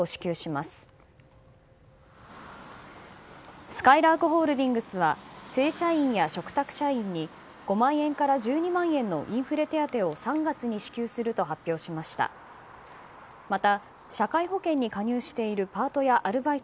すかいらーくホールディングスは正社員や嘱託社員に５万円から１２万円のインフレ手当を３月に支給すると発表しました。